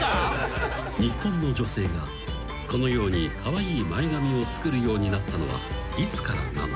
［日本の女性がこのようにカワイイ前髪を作るようになったのはいつからなのか？］